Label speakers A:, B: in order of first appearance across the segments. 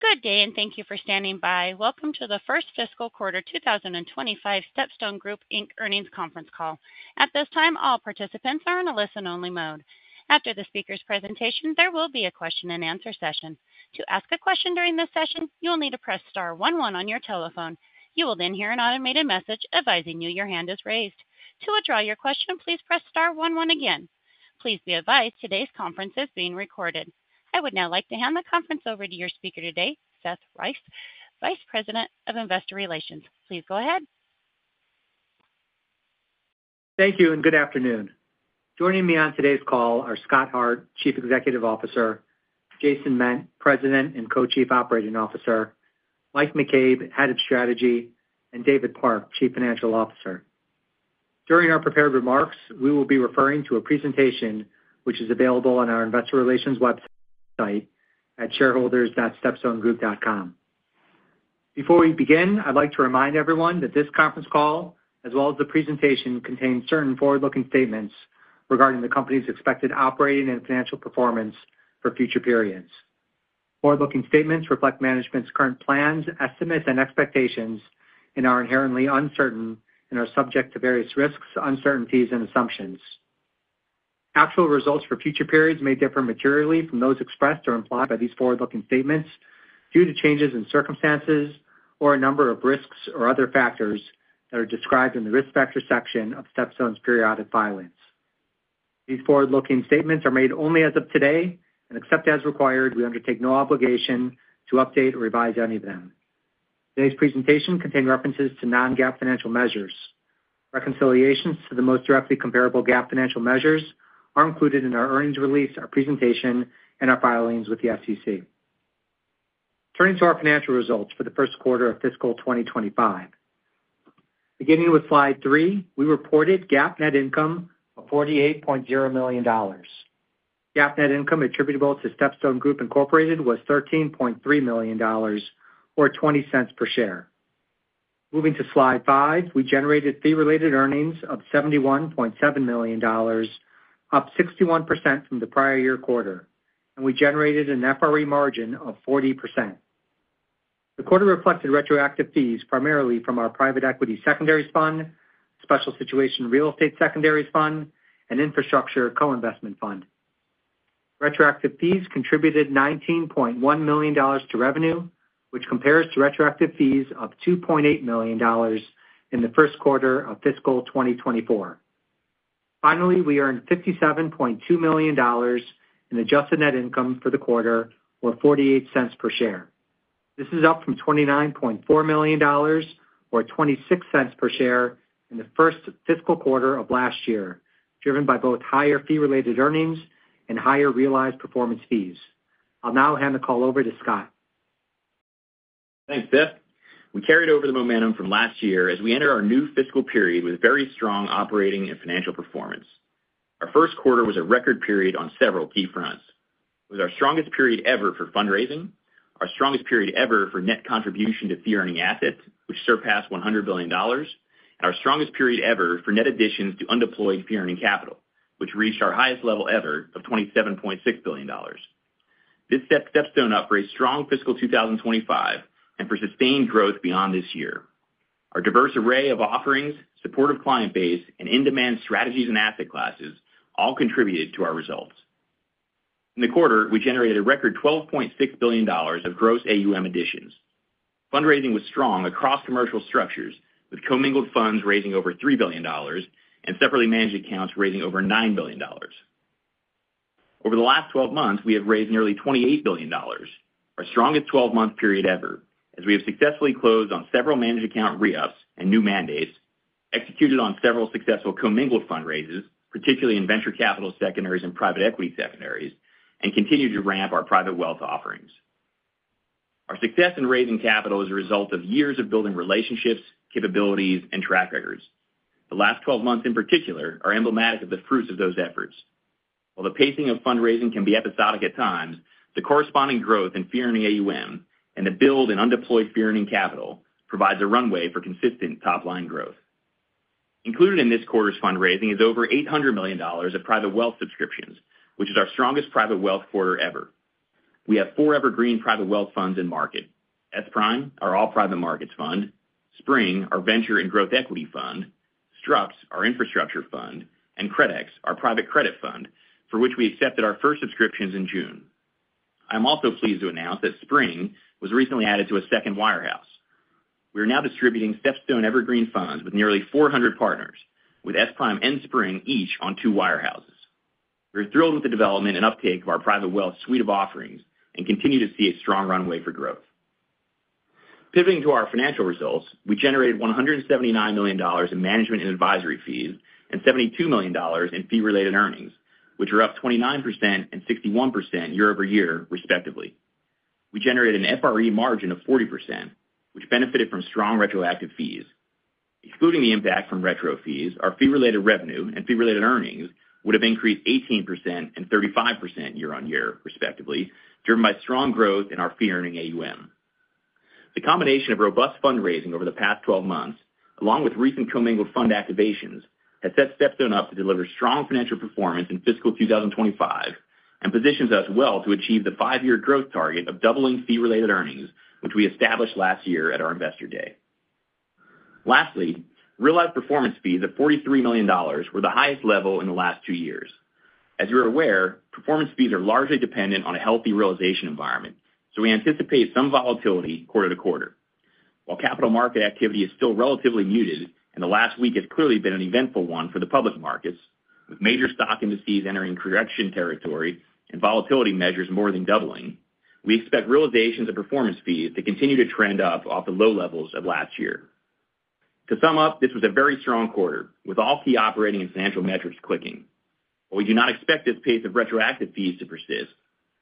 A: Good day, and thank you for standing by. Welcome to the first fiscal quarter 2025 StepStone Group Inc. earnings conference call. At this time, all participants are in a listen-only mode. After the speaker's presentation, there will be a question-and-answer session. To ask a question during this session, you will need to press star one one on your telephone. You will then hear an automated message advising you your hand is raised. To withdraw your question, please press star one one again. Please be advised today's conference is being recorded. I would now like to hand the conference over to your speaker today, Seth Rice, Vice President of Investor Relations. Please go ahead.
B: Thank you, and good afternoon. Joining me on today's call are Scott Hart, Chief Executive Officer, Jason Ment, President and Co-Chief Operating Officer, Mike McCabe, Head of Strategy, and David Park, Chief Financial Officer. During our prepared remarks, we will be referring to a presentation which is available on our investor relations website at shareholders.stepstonegroup.com. Before we begin, I'd like to remind everyone that this conference call, as well as the presentation, contains certain forward-looking statements regarding the company's expected operating and financial performance for future periods. Forward-looking statements reflect management's current plans, estimates, and expectations and are inherently uncertain and are subject to various risks, uncertainties, and assumptions. Actual results for future periods may differ materially from those expressed or implied by these forward-looking statements due to changes in circumstances or a number of risks or other factors that are described in the Risk Factors section of StepStone's periodic filings. These forward-looking statements are made only as of today, and except as required, we undertake no obligation to update or revise any of them. Today's presentation contain references to non-GAAP financial measures. Reconciliations to the most directly comparable GAAP financial measures are included in our earnings release, our presentation, and our filings with the SEC. Turning to our financial results for the first quarter of fiscal 2025. Beginning with slide 3, we reported GAAP net income of $48.0 million. GAAP net income attributable to StepStone Group Incorporated was $13.3 million, or 20 cents per share. Moving to slide 5, we generated fee-related earnings of $71.7 million, up 61% from the prior-year quarter, and we generated an FRE margin of 40%. The quarter reflected retroactive fees, primarily from our private equity secondaries fund, special situations real estate secondaries fund, and infrastructure co-investment fund. Retroactive fees contributed $19.1 million to revenue, which compares to retroactive fees of $2.8 million in the first quarter of fiscal 2024. Finally, we earned $57.2 million in adjusted net income for the quarter, or $0.48 per share. This is up from $29.4 million, or $0.26 per share in the first fiscal quarter of last year, driven by both higher fee-related earnings and higher realized performance fees. I'll now hand the call over to Scott.
C: Thanks, Seth. We carried over the momentum from last year as we entered our new fiscal period with very strong operating and financial performance. Our first quarter was a record period on several key fronts. It was our strongest period ever for fundraising, our strongest period ever for net contribution to fee-earning assets, which surpassed $100 billion, and our strongest period ever for net additions to undeployed fee-earning capital, which reached our highest level ever of $27.6 billion. This sets StepStone up for a strong fiscal 2025 and for sustained growth beyond this year. Our diverse array of offerings, supportive client base, and in-demand strategies and asset classes all contributed to our results. In the quarter, we generated a record $12.6 billion of gross AUM additions. Fundraising was strong across commercial structures, with commingled funds raising over $3 billion and separately managed accounts raising over $9 billion. Over the last 12 months, we have raised nearly $28 billion, our strongest 12-month period ever, as we have successfully closed on several managed account re-ups and new mandates, executed on several successful commingled fundraisers, particularly in venture capital secondaries and private equity secondaries, and continued to ramp our private wealth offerings. Our success in raising capital is a result of years of building relationships, capabilities, and track records. The last 12 months, in particular, are emblematic of the fruits of those efforts. While the pacing of fundraising can be episodic at times, the corresponding growth in fee-earning AUM and the build in undeployed fee-earning capital provides a runway for consistent top-line growth. Included in this quarter's fundraising is over $800 million of private wealth subscriptions, which is our strongest private wealth quarter ever. We have 4 evergreen private wealth funds in market: SPRIM, our all-private markets fund; SPRING, our venture and growth equity fund; STRUCT, our infrastructure fund; and CRDEX, our private credit fund, for which we accepted our first subscriptions in June. I'm also pleased to announce that SPRING was recently added to a second wirehouse. We are now distributing StepStone Evergreen Funds with nearly 400 partners, with SPRIM and SPRING each on two wirehouses. We're thrilled with the development and uptake of our private wealth suite of offerings and continue to see a strong runway for growth. Pivoting to our financial results, we generated $179 million in management and advisory fees and $72 million in fee-related earnings, which are up 29% and 61% year-over-year, respectively. We generated an FRE margin of 40%, which benefited from strong retroactive fees. Excluding the impact from retro fees, our fee-related revenue and fee-related earnings would have increased 18% and 35% year-over-year, respectively, driven by strong growth in our fee-earning AUM.... The combination of robust fundraising over the past 12 months, along with recent commingled fund activations, has set StepStone up to deliver strong financial performance in fiscal 2025, and positions us well to achieve the five-year growth target of doubling fee-related earnings, which we established last year at our Investor Day. Lastly, realized performance fees of $43 million were the highest level in the last 2 years. As you're aware, performance fees are largely dependent on a healthy realization environment, so we anticipate some volatility quarter to quarter. While capital market activity is still relatively muted, and the last week has clearly been an eventful one for the public markets, with major stock indices entering correction territory and volatility measures more than doubling, we expect realizations of performance fees to continue to trend up off the low levels of last year. To sum up, this was a very strong quarter, with all key operating and financial metrics clicking. While we do not expect this pace of retroactive fees to persist,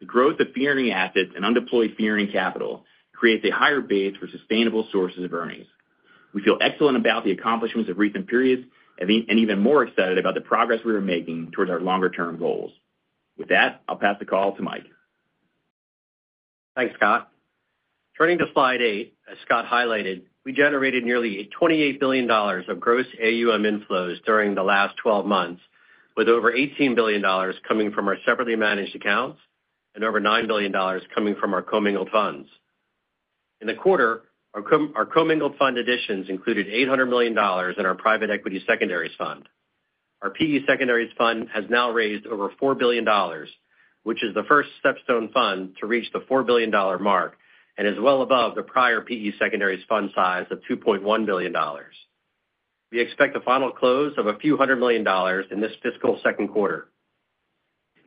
C: the growth of fee earning assets and undeployed fee earning capital creates a higher base for sustainable sources of earnings. We feel excellent about the accomplishments of recent periods, and even more excited about the progress we are making towards our longer-term goals. With that, I'll pass the call to Mike.
D: Thanks, Scott. Turning to Slide 8, as Scott highlighted, we generated nearly $28 billion of gross AUM inflows during the last twelve months, with over $18 billion coming from our separately managed accounts and over $9 billion coming from our commingled funds. In the quarter, our commingled fund additions included $800 million in our private equity secondaries fund. Our PE secondaries fund has now raised over $4 billion, which is the first StepStone fund to reach the $4 billion mark and is well above the prior PE secondaries fund size of $2.1 billion. We expect a final close of a few hundred million dollars in this fiscal second quarter.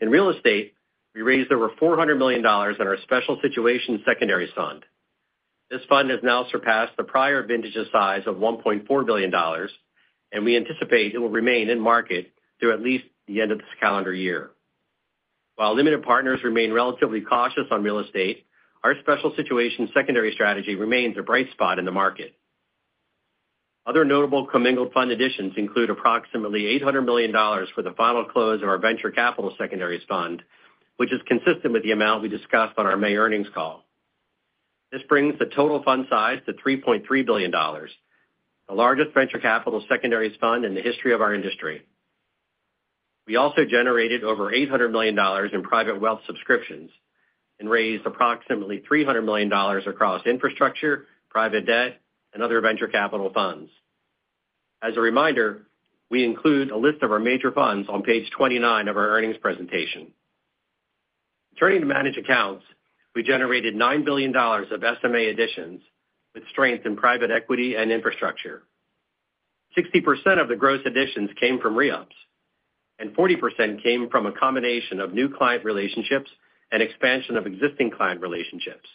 D: In real estate, we raised over $400 million in our special situation secondary fund. This fund has now surpassed the prior vintage of size of $1.4 billion, and we anticipate it will remain in market through at least the end of this calendar year. While limited partners remain relatively cautious on real estate, our special situation secondary strategy remains a bright spot in the market. Other notable commingled fund additions include approximately $800 million for the final close of our venture capital secondaries fund, which is consistent with the amount we discussed on our May earnings call. This brings the total fund size to $3.3 billion, the largest venture capital secondaries fund in the history of our industry. We also generated over $800 million in private wealth subscriptions and raised approximately $300 million across infrastructure, private debt, and other venture capital funds. As a reminder, we include a list of our major funds on page 29 of our earnings presentation. Turning to managed accounts, we generated $9 billion of SMA additions, with strength in private equity and infrastructure. 60% of the gross additions came from re-ups, and 40% came from a combination of new client relationships and expansion of existing client relationships.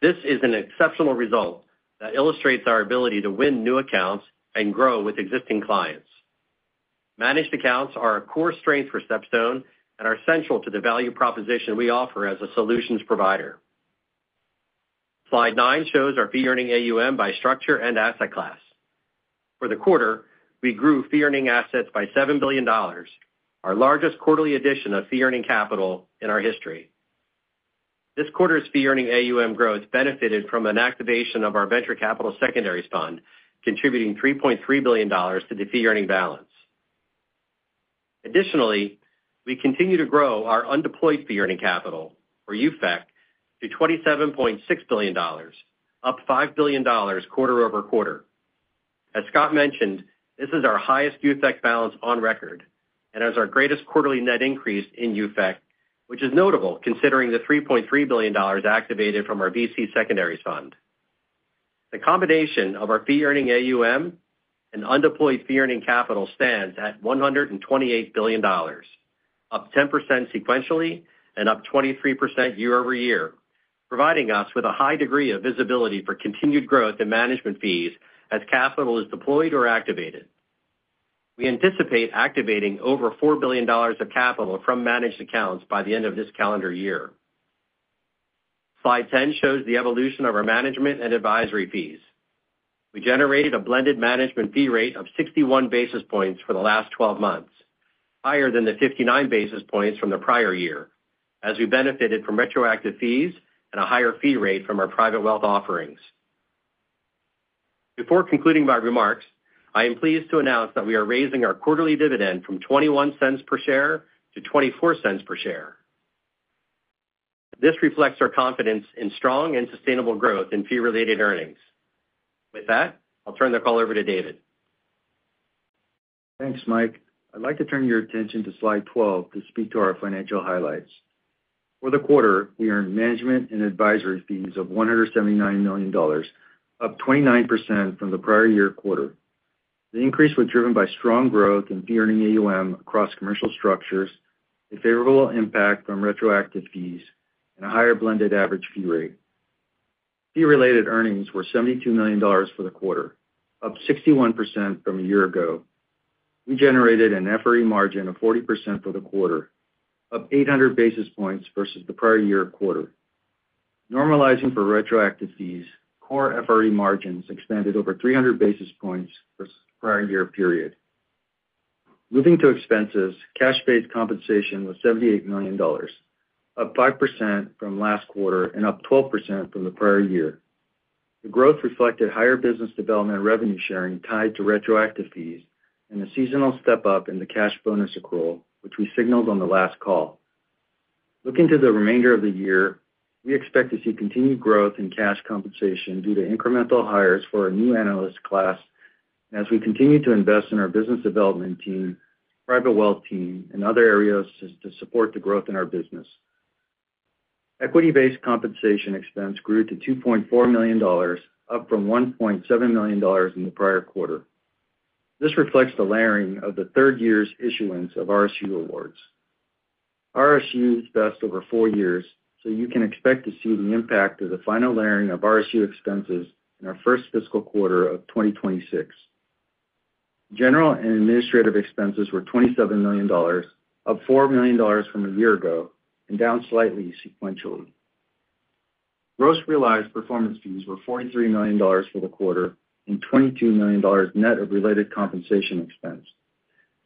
D: This is an exceptional result that illustrates our ability to win new accounts and grow with existing clients. Managed accounts are a core strength for StepStone and are central to the value proposition we offer as a solutions provider. Slide 9 shows our fee-earning AUM by structure and asset class. For the quarter, we grew fee-earning assets by $7 billion, our largest quarterly addition of fee-earning capital in our history. This quarter's Fee-Earning AUM growth benefited from an activation of our venture capital secondaries fund, contributing $3.3 billion to the fee-earning balance. Additionally, we continue to grow our Undeployed Fee-Earning Capital, or UFEC, to $27.6 billion, up $5 billion quarter-over-quarter. As Scott mentioned, this is our highest UFEC balance on record and is our greatest quarterly net increase in UFEC, which is notable considering the $3.3 billion activated from our VC secondaries fund. The combination of our Fee-Earning AUM and Undeployed Fee-Earning Capital stands at $128 billion, up 10% sequentially and up 23% year-over-year, providing us with a high degree of visibility for continued growth in management fees as capital is deployed or activated. We anticipate activating over $4 billion of capital from managed accounts by the end of this calendar year. Slide 10 shows the evolution of our management and advisory fees. We generated a blended management fee rate of 61 basis points for the last 12 months, higher than the 59 basis points from the prior year, as we benefited from retroactive fees and a higher fee rate from our private wealth offerings. Before concluding my remarks, I am pleased to announce that we are raising our quarterly dividend from $0.21 per share to $0.24 per share. This reflects our confidence in strong and sustainable growth in fee-related earnings. With that, I'll turn the call over to David.
E: Thanks, Mike. I'd like to turn your attention to slide 12 to speak to our financial highlights. For the quarter, we earned Management and Advisory Fees of $179 million, up 29% from the prior year quarter. The increase was driven by strong growth in Fee-Earning AUM across commingled structures, a favorable impact from Retroactive Fees, and a higher blended average fee rate. Fee-Related Earnings were $72 million for the quarter, up 61% from a year ago. We generated an FRE margin of 40% for the quarter, up 800 basis points versus the prior year quarter. Normalizing for Retroactive Fees, core FRE margins expanded over 300 basis points versus the prior year period.... Moving to expenses, cash-based compensation was $78 million, up 5% from last quarter and up 12% from the prior year. The growth reflected higher business development revenue sharing tied to retroactive fees and a seasonal step up in the cash bonus accrual, which we signaled on the last call. Looking to the remainder of the year, we expect to see continued growth in cash compensation due to incremental hires for our new analyst class as we continue to invest in our business development team, private wealth team, and other areas to support the growth in our business. Equity-based compensation expense grew to $2.4 million, up from $1.7 million in the prior quarter. This reflects the layering of the third year's issuance of RSU awards. RSUs vest over 4 years, so you can expect to see the impact of the final layering of RSU expenses in our first fiscal quarter of 2026. General and administrative expenses were $27 million, up $4 million from a year ago, and down slightly sequentially. Gross realized performance fees were $43 million for the quarter and $22 million net of related compensation expense.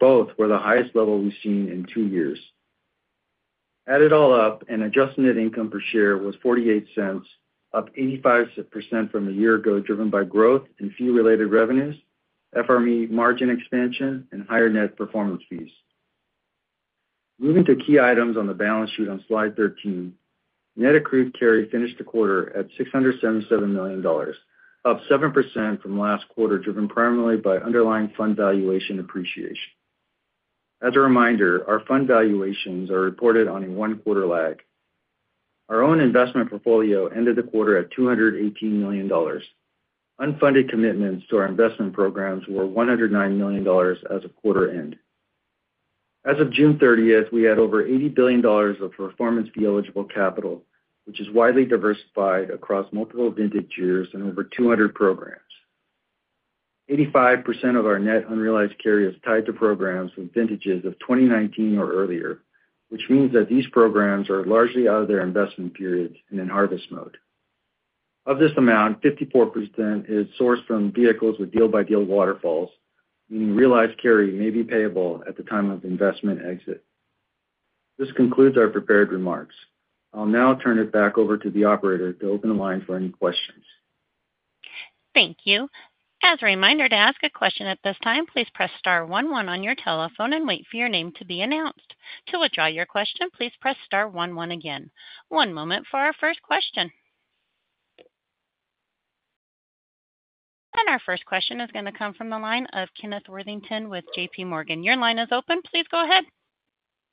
E: Both were the highest level we've seen in 2 years. Add it all up, and adjusted net income per share was $0.48, up 85% from a year ago, driven by growth in fee-related revenues, FRE margin expansion, and higher net performance fees. Moving to key items on the balance sheet on slide 13, net accrued carry finished the quarter at $677 million, up 7% from last quarter, driven primarily by underlying fund valuation appreciation. As a reminder, our fund valuations are reported on a one-quarter lag. Our own investment portfolio ended the quarter at $218 million. Unfunded commitments to our investment programs were $109 million as of quarter end. As of June thirtieth, we had over $80 billion of performance fee eligible capital, which is widely diversified across multiple vintage years and over 200 programs. 85% of our net unrealized carry is tied to programs with vintages of 2019 or earlier, which means that these programs are largely out of their investment period and in harvest mode. Of this amount, 54% is sourced from vehicles with deal-by-deal waterfalls, meaning realized carry may be payable at the time of investment exit. This concludes our prepared remarks. I'll now turn it back over to the operator to open the line for any questions.
A: Thank you. As a reminder, to ask a question at this time, please press star one one on your telephone and wait for your name to be announced. To withdraw your question, please press star one one again. One moment for our first question. Our first question is gonna come from the line of Kenneth Worthington with J.P. Morgan. Your line is open. Please go ahead.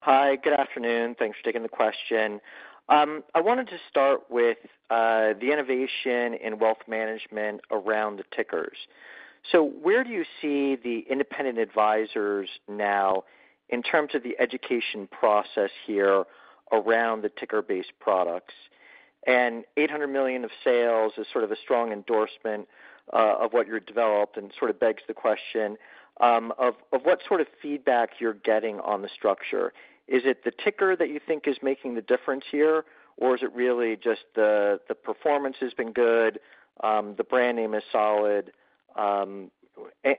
F: Hi, good afternoon. Thanks for taking the question. I wanted to start with the innovation in wealth management around the tickers. So where do you see the independent advisors now in terms of the education process here around the ticker-based products? And $800 million of sales is sort of a strong endorsement of what you've developed and sort of begs the question of what sort of feedback you're getting on the structure. Is it the ticker that you think is making the difference here, or is it really just the performance has been good, the brand name is solid?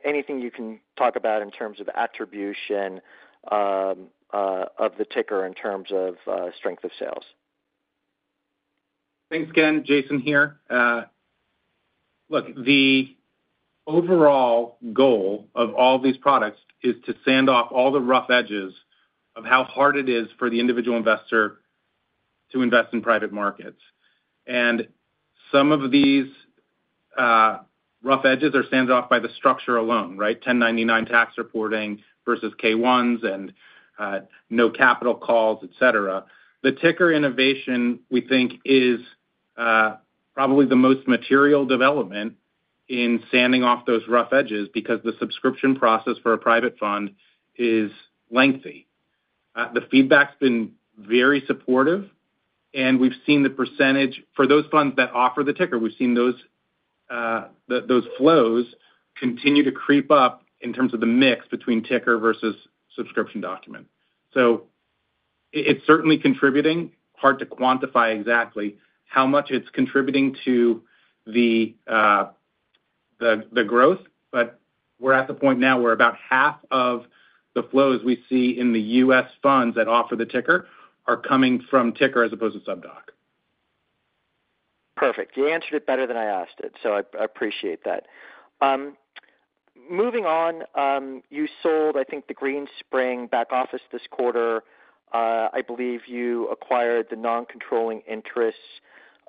F: Anything you can talk about in terms of attribution of the ticker in terms of strength of sales?
E: Thanks again, Jason here. Look, the overall goal of all these products is to sand off all the rough edges of how hard it is for the individual investor to invest in private markets. Some of these rough edges are sanded off by the structure alone, right? 1099 tax reporting versus K-1s and no capital calls, et cetera. The ticker innovation, we think, is probably the most material development in sanding off those rough edges because the subscription process for a private fund is lengthy. The feedback's been very supportive, and we've seen the percentage. For those funds that offer the ticker, we've seen those flows continue to creep up in terms of the mix between ticker versus subscription document. So it's certainly contributing. Hard to quantify exactly how much it's contributing to the growth, but we're at the point now where about half of the flows we see in the U.S. funds that offer the ticker are coming from ticker as opposed to sub doc.
F: Perfect. You answered it better than I asked it, so I appreciate that. Moving on, you sold, I think, the Greenspring back office this quarter. I believe you acquired the non-controlling interests.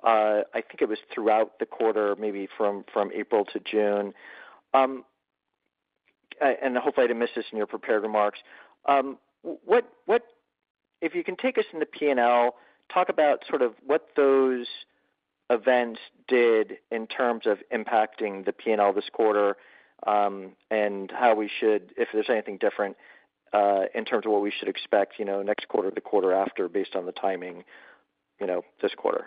F: I think it was throughout the quarter, maybe from April to June. Hopefully, I didn't miss this in your prepared remarks. What if you can take us through the P&L, talk about sort of what those events did in terms of impacting the P&L this quarter, and how we should, if there's anything different, in terms of what we should expect, you know, next quarter or the quarter after, based on the timing, you know, this quarter.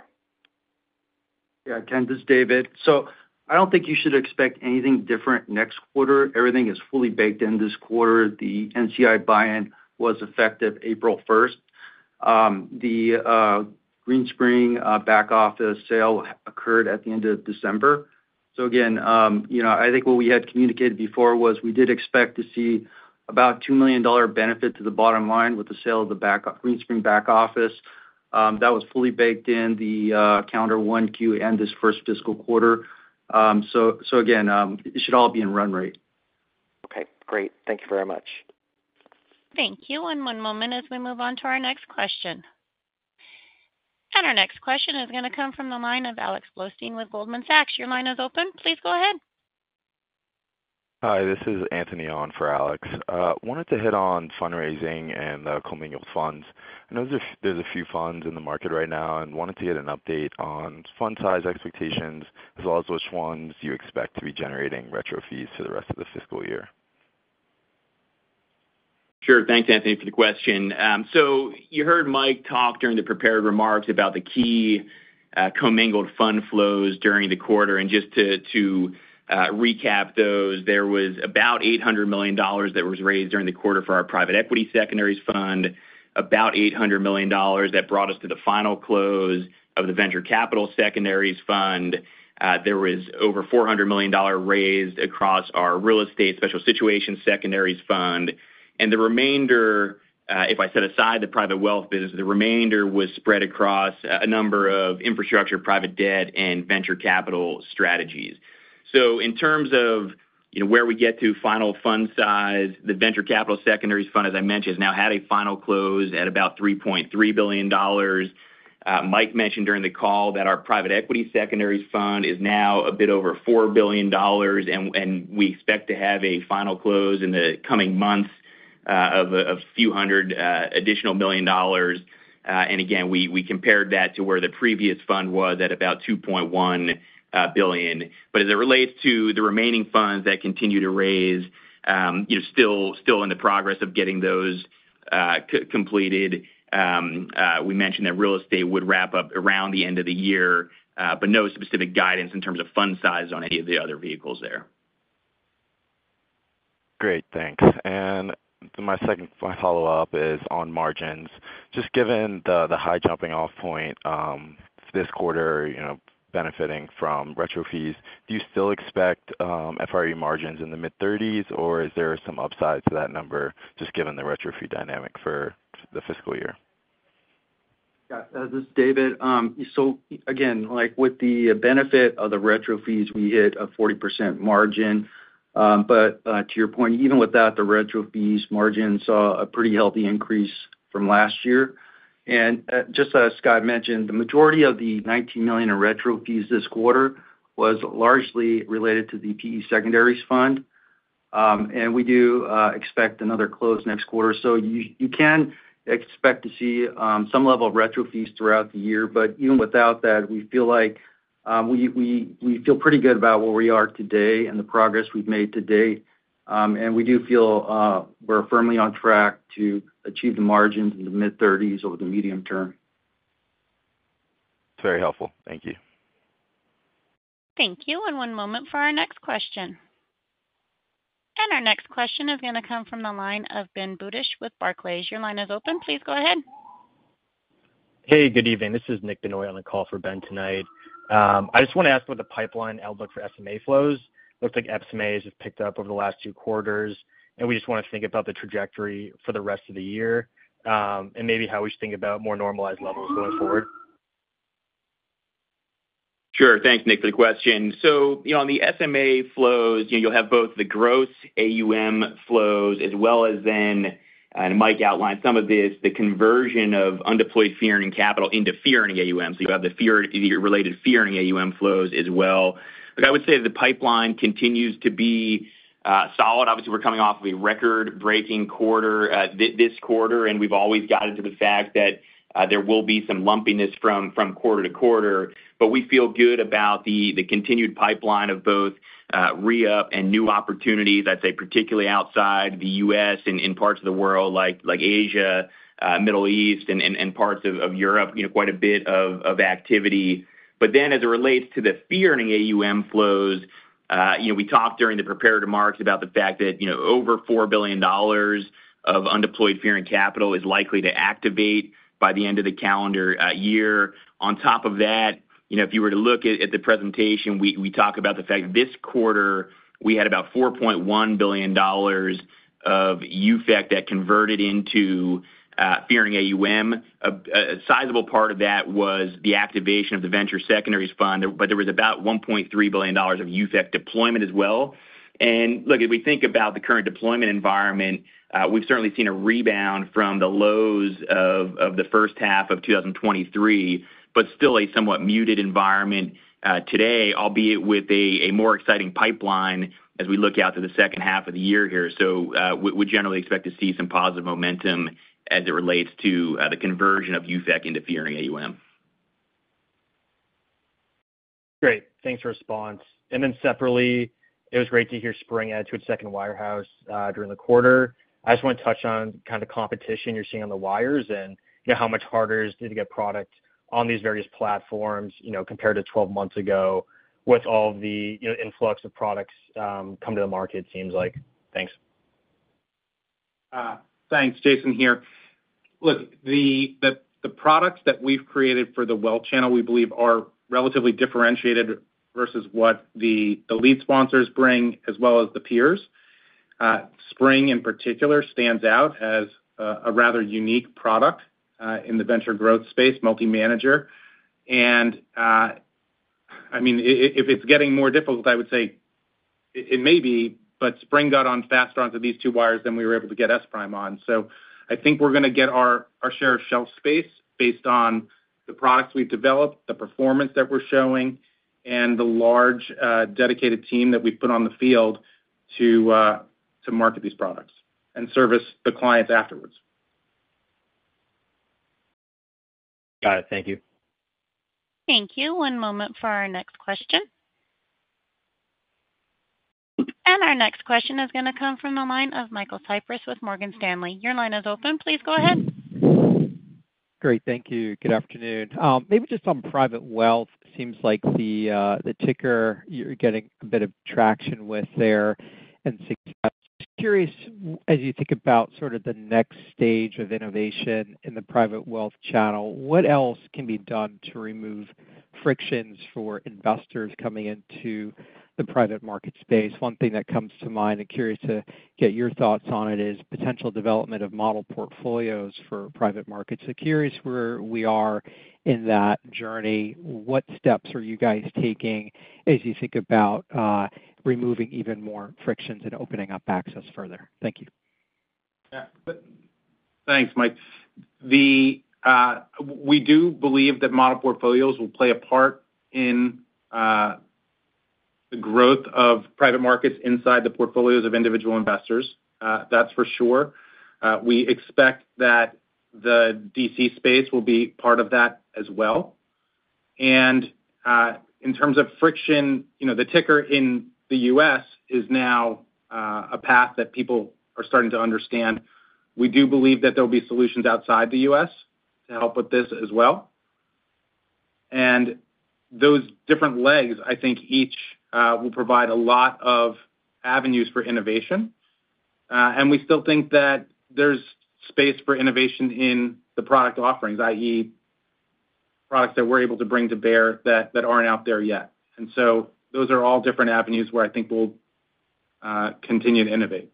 E: Yeah, Ken, this is David. So I don't think you should expect anything different next quarter. Everything is fully baked in this quarter. The NCI buy-in was effective April first. The Greenspring back office sale occurred at the end of December. So again, you know, I think what we had communicated before was we did expect to see about $2 million benefit to the bottom line with the sale of the Greenspring back office. That was fully baked in the calendar 1Q and this first fiscal quarter. So again, it should all be in run rate.
F: Okay, great. Thank you very much.
A: Thank you, and one moment as we move on to our next question. Our next question is going to come from the line of Alex Blostein with Goldman Sachs. Your line is open. Please go ahead.
G: Hi, this is Anthony on for Alex. Wanted to hit on fundraising and the commingled funds. I know there's, there's a few funds in the market right now and wanted to get an update on fund size expectations, as well as which ones you expect to be generating retro fees for the rest of the fiscal year.
C: Sure. Thanks, Anthony, for the question. So you heard Mike talk during the prepared remarks about the key, commingled fund flows during the quarter. And just to recap those, there was about $800 million that was raised during the quarter for our Private Equity Secondaries Fund. About $800 million that brought us to the final close of the Venture Capital Secondaries Fund. There was over $400 million raised across our Real Estate Special Situations Secondaries Fund. And the remainder, if I set aside the private wealth business, the remainder was spread across a number of infrastructure, private debt, and venture capital strategies. So in terms of, you know, where we get to final fund size, the Venture Capital Secondaries Fund, as I mentioned, has now had a final close at about $3.3 billion. Mike mentioned during the call that our private equity secondaries fund is now a bit over $4 billion, and we expect to have a final close in the coming months of a few hundred additional million dollars. And again, we compared that to where the previous fund was at about $2.1 billion. But as it relates to the remaining funds that continue to raise, you know, still in the process of getting those completed. We mentioned that real estate would wrap up around the end of the year, but no specific guidance in terms of fund size on any of the other vehicles there.
G: Great, thanks. And my second, my follow-up is on margins. Just given the high jumping off point, this quarter, you know, benefiting from retro fees, do you still expect FRE margins in the mid-thirties, or is there some upside to that number, just given the retro fee dynamic for the fiscal year?
E: Yeah, this is David. So again, like with the benefit of the retro fees, we hit a 40% margin. But to your point, even without the retro fees, margin saw a pretty healthy increase from last year. And just as Scott mentioned, the majority of the $19 million in retro fees this quarter was largely related to the PE secondaries fund. And we do expect another close next quarter. So you can expect to see some level of retro fees throughout the year, but even without that, we feel like we feel pretty good about where we are today and the progress we've made to date. And we do feel we're firmly on track to achieve the margins in the mid-30s over the medium term.
G: Very helpful. Thank you.
A: Thank you, and one moment for our next question. Our next question is going to come from the line of Ben Budish with Barclays. Your line is open. Please go ahead.
H: Hey, good evening. This is Nick Benoit on the call for Ben tonight. I just want to ask what the pipeline outlook for SMA flows? Looks like SMAs have picked up over the last two quarters, and we just want to think about the trajectory for the rest of the year, and maybe how we should think about more normalized levels going forward.
C: Sure. Thanks, Nick, for the question. So, you know, on the SMA flows, you know, you'll have both the gross AUM flows as well as then, and Mike outlined some of this, the conversion of undeployed fee earning capital into fee earning AUM. So you have the fee-related fee earning AUM flows as well. But I would say the pipeline continues to be solid. Obviously, we're coming off of a record-breaking quarter, this quarter, and we've always guided to the fact that there will be some lumpiness from quarter to quarter. But we feel good about the continued pipeline of both reup and new opportunities, I'd say, particularly outside the US and in parts of the world like Asia, Middle East, and parts of Europe, you know, quite a bit of activity. But then as it relates to the fee earning AUM flows, you know, we talked during the prepared remarks about the fact that, you know, over $4 billion of undeployed fee earning capital is likely to activate by the end of the calendar year. On top of that, you know, if you were to look at the presentation, we talk about the fact this quarter, we had about $4.1 billion of UFEC that converted into fee earning AUM. A sizable part of that was the activation of the venture secondaries fund, but there was about $1.3 billion of UFEC deployment as well. Look, if we think about the current deployment environment, we've certainly seen a rebound from the lows of the first half of 2023, but still a somewhat muted environment today, albeit with a more exciting pipeline as we look out to the second half of the year here. So, we generally expect to see some positive momentum as it relates to the conversion of UFEC into fee-earning AUM.
H: Great. Thanks for the response. And then separately, it was great to hear SPRING with second wirehouse during the quarter. I just want to touch on kind of the competition you're seeing on the wires and, you know, how much harder is it to get product on these various platforms, you know, compared to 12 months ago with all the, you know, influx of products coming to the market, it seems like. Thanks....
I: Thanks, Jason here. Look, the products that we've created for the wealth channel, we believe are relatively differentiated versus what the lead sponsors bring, as well as the peers. SPRING, in particular, stands out as a rather unique product in the venture growth space, multi-manager. And I mean, if it's getting more difficult, I would say it may be, but SPRING got on faster onto these two wires than we were able to get SPRIM on. So I think we're gonna get our share of shelf space based on the products we've developed, the performance that we're showing, and the large dedicated team that we've put on the field to market these products and service the clients afterwards.
H: Got it. Thank you.
A: Thank you. One moment for our next question. Our next question is gonna come from the line of Michael Cyprys with Morgan Stanley. Your line is open. Please go ahead.
J: Great. Thank you. Good afternoon. Maybe just on private wealth, seems like the ticker, you're getting a bit of traction with there. And just curious, as you think about sort of the next stage of innovation in the private wealth channel, what else can be done to remove frictions for investors coming into the private market space? One thing that comes to mind, I'm curious to get your thoughts on it, is potential development of model portfolios for private markets. So curious where we are in that journey. What steps are you guys taking as you think about removing even more frictions and opening up access further? Thank you.
I: Yeah. Thanks, Mike. The, we do believe that model portfolios will play a part in, the growth of private markets inside the portfolios of individual investors, that's for sure. We expect that the DC space will be part of that as well. And, in terms of friction, you know, the ticker in the U.S. is now, a path that people are starting to understand. We do believe that there'll be solutions outside the U.S. to help with this as well. And those different legs, I think each, will provide a lot of avenues for innovation. And we still think that there's space for innovation in the product offerings, i.e., products that we're able to bring to bear that aren't out there yet. And so those are all different avenues where I think we'll continue to innovate.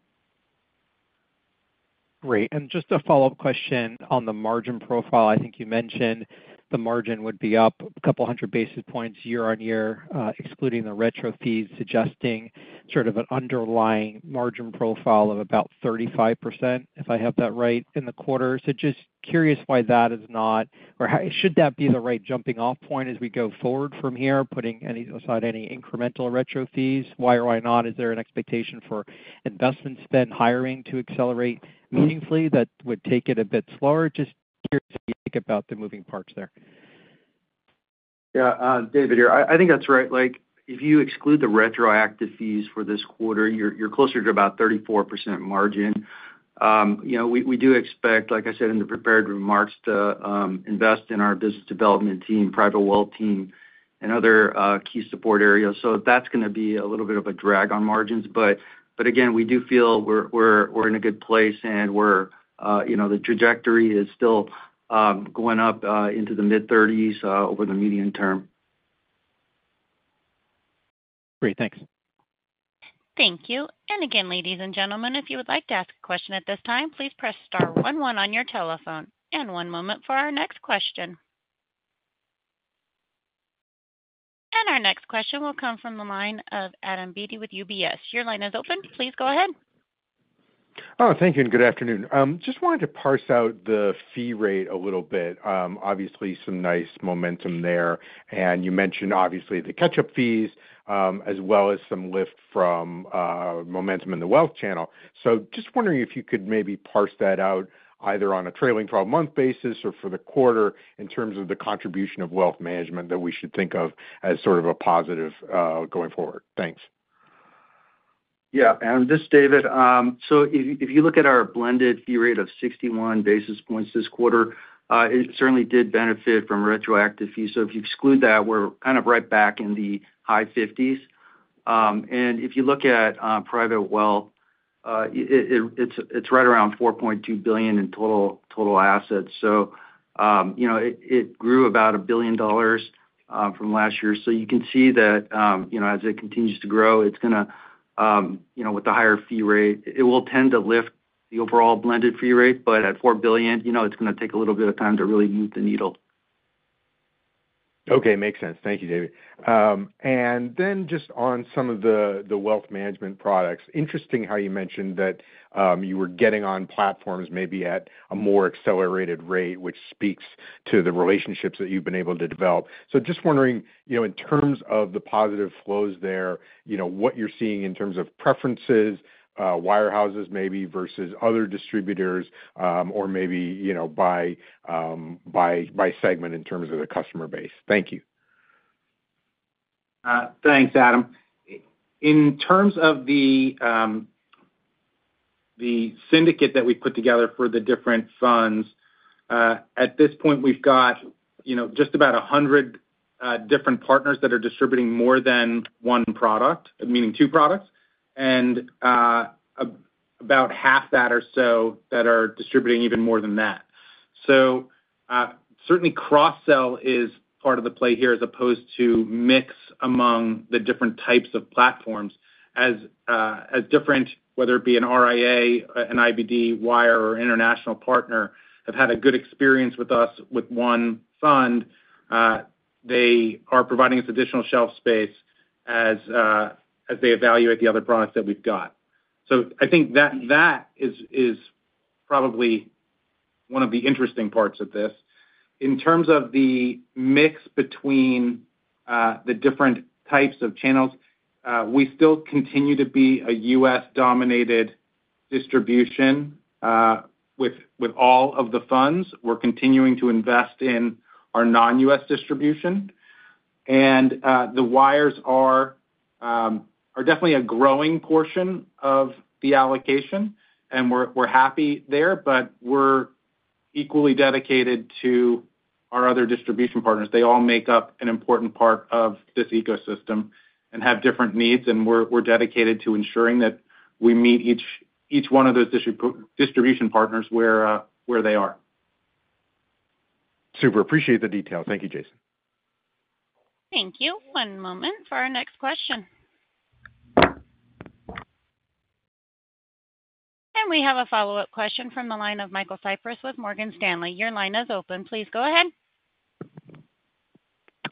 J: Great. And just a follow-up question on the margin profile. I think you mentioned the margin would be up 200 basis points year-over-year, excluding the retro fees, suggesting sort of an underlying margin profile of about 35%, if I have that right, in the quarter. So just curious why that is not... or how should that be the right jumping off point as we go forward from here, putting aside any incremental retro fees? Why or why not? Is there an expectation for investment spend, hiring to accelerate meaningfully that would take it a bit slower? Just curious what you think about the moving parts there.
E: Yeah, David here. I think that's right. Like, if you exclude the retroactive fees for this quarter, you're closer to about 34% margin. You know, we do expect, like I said in the prepared remarks, to invest in our business development team, private wealth team, and other key support areas. So that's gonna be a little bit of a drag on margins. But again, we do feel we're in a good place and we're, you know, the trajectory is still going up into the mid-30s over the medium term.
J: Great. Thanks.
A: Thank you. And again, ladies and gentlemen, if you would like to ask a question at this time, please press star one one on your telephone. And one moment for our next question. And our next question will come from the line of Adam Beatty with UBS. Your line is open. Please go ahead.
K: Oh, thank you, and good afternoon. Just wanted to parse out the fee rate a little bit. Obviously some nice momentum there. And you mentioned obviously, the catch-up fees, as well as some lift from, momentum in the wealth channel. So just wondering if you could maybe parse that out, either on a trailing 12-month basis or for the quarter, in terms of the contribution of wealth management that we should think of as sort of a positive, going forward? Thanks.
E: Yeah, Adam, this is David. So if you look at our blended fee rate of 61 basis points this quarter, it certainly did benefit from retroactive fees. So if you exclude that, we're kind of right back in the high 50s. And if you look at private wealth, it's right around $4.2 billion in total assets. So you know, it grew about $1 billion from last year. So you can see that, you know, as it continues to grow, it's gonna, you know, with the higher fee rate, it will tend to lift the overall blended fee rate, but at $4 billion, you know, it's gonna take a little bit of time to really move the needle.
K: Okay, makes sense. Thank you, David. And then just on some of the wealth management products. Interesting how you mentioned that you were getting on platforms maybe at a more accelerated rate, which speaks to the relationships that you've been able to develop. So just wondering, you know, in terms of the positive flows there, you know, what you're seeing in terms of preferences, wirehouses maybe, versus other distributors, or maybe, you know, by segment in terms of the customer base. Thank you.
I: Thanks, Adam. In terms of the syndicate that we put together for the different funds-...
C: At this point, we've got, you know, just about 100 different partners that are distributing more than one product, meaning two products, and about half that or so that are distributing even more than that. So certainly cross-sell is part of the play here, as opposed to mix among the different types of platforms. As different, whether it be an RIA, an IBD, wire, or international partner, have had a good experience with us with one fund, they are providing us additional shelf space as they evaluate the other products that we've got. So I think that that is probably one of the interesting parts of this. In terms of the mix between the different types of channels, we still continue to be a U.S.-dominated distribution, with all of the funds. We're continuing to invest in our non-U.S. distribution. The wires are definitely a growing portion of the allocation, and we're happy there, but we're equally dedicated to our other distribution partners. They all make up an important part of this ecosystem and have different needs, and we're dedicated to ensuring that we meet each one of those distribution partners where they are.
K: Super. Appreciate the detail. Thank you, Jason.
A: Thank you. One moment for our next question. We have a follow-up question from the line of Michael Cyprys with Morgan Stanley. Your line is open. Please go ahead.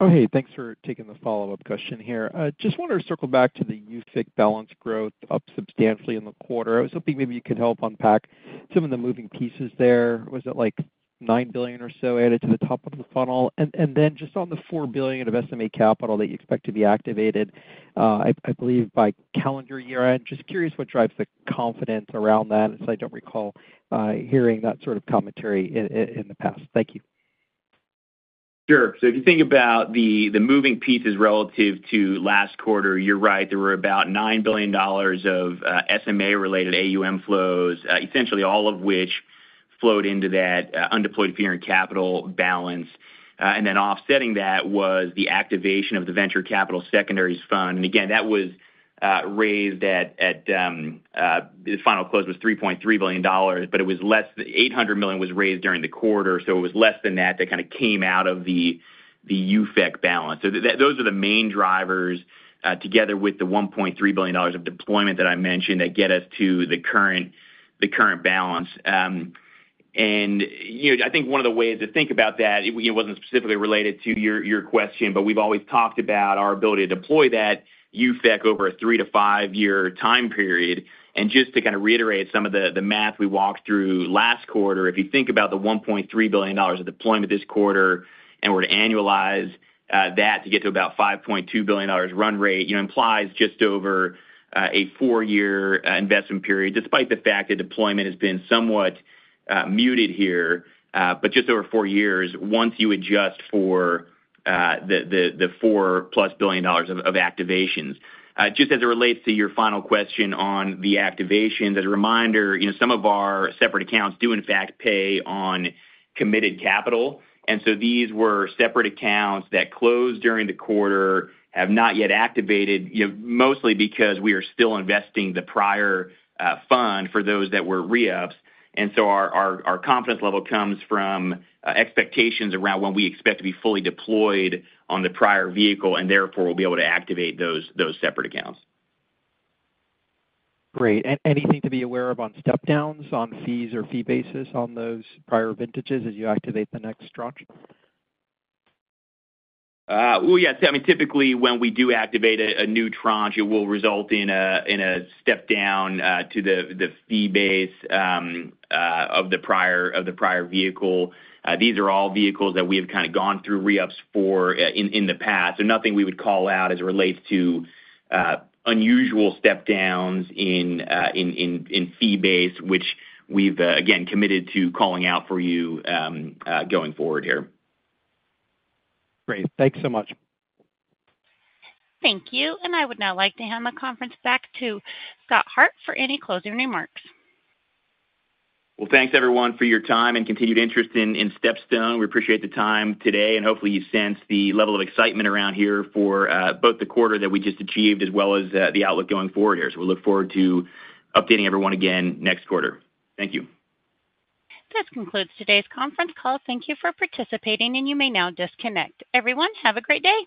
J: Oh, hey, thanks for taking the follow-up question here. Just wanted to circle back to the UFEC balance growth, up substantially in the quarter. I was hoping maybe you could help unpack some of the moving pieces there. Was it, like, $9 billion or so added to the top of the funnel? And then just on the $4 billion of SMA capital that you expect to be activated, I believe by calendar year-end, just curious what drives the confidence around that, as I don't recall hearing that sort of commentary in the past. Thank you.
C: Sure. So if you think about the moving pieces relative to last quarter, you're right. There were about $9 billion of SMA-related AUM flows, essentially all of which flowed into that undeployed fee and capital balance. And then offsetting that was the activation of the venture capital secondaries fund. And again, that was raised at. The final close was $3.3 billion, but it was less- $800 million was raised during the quarter, so it was less than that, that kind of came out of the UFEC balance. So those are the main drivers, together with the $1.3 billion of deployment that I mentioned, that get us to the current balance. And, you know, I think one of the ways to think about that, it wasn't specifically related to your question, but we've always talked about our ability to deploy that UFEC over a three- to five-year time period. Just to kind of reiterate some of the math we walked through last quarter, if you think about the $1.3 billion of deployment this quarter, and were to annualize that to get to about $5.2 billion run rate, you know, implies just over a four-year investment period, despite the fact that deployment has been somewhat muted here, but just over four years, once you adjust for the $4+ billion of activations. Just as it relates to your final question on the activation, as a reminder, you know, some of our separate accounts do in fact pay on committed capital, and so these were separate accounts that closed during the quarter, have not yet activated, you know, mostly because we are still investing the prior fund for those that were re-ups. And so our confidence level comes from expectations around when we expect to be fully deployed on the prior vehicle, and therefore, we'll be able to activate those separate accounts.
J: Great. Anything to be aware of on step downs, on fees or fee basis on those prior vintages as you activate the next tranche?
C: Well, yes. I mean, typically, when we do activate a new tranche, it will result in a step down to the fee base of the prior vehicle. These are all vehicles that we have kind of gone through re-ups for in the past. So nothing we would call out as it relates to unusual step downs in fee base, which we've again committed to calling out for you going forward here.
J: Great. Thank you so much.
A: Thank you, and I would now like to hand the conference back to Scott Hart for any closing remarks.
C: Well, thanks everyone for your time and continued interest in StepStone. We appreciate the time today, and hopefully you sense the level of excitement around here for both the quarter that we just achieved as well as the outlook going forward here. So we look forward to updating everyone again next quarter. Thank you.
A: This concludes today's conference call. Thank you for participating, and you may now disconnect. Everyone, have a great day!